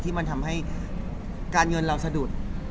ที่มันทำให้การเงินเราสะดุด